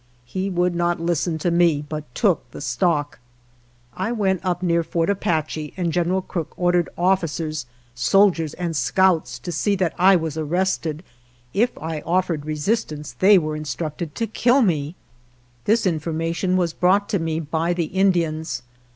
He would not lis ten to me, but took the stock. I went up 135 GERONIMO near Forth Apache and General Crook or dered officers, soldiers, and scouts to see that I was arrested; if I offered resistance they were instructed to kill me. This information was brought to me by the Indians.